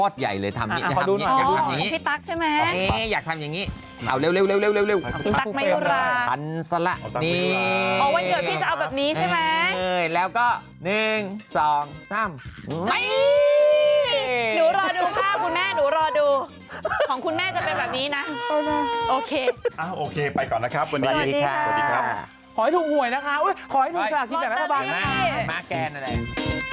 ได้หนูรอดูค่ะคุณแม่หนูรอดูของคุณแม่จะเป็นแบบนี้นะโอเคไปก่อนนะครับวันนี้สวัสดีค่ะขอให้ถูกห่วยนะคะอุ้ยขอให้ถูกก๋าลักษณ์ดังนั้นระวังค่ะนั้นแล้วนะ